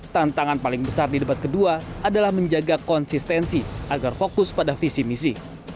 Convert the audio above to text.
tantangan paling besar di debat kedua adalah menjaga konsistensi agar fokus pada visi misi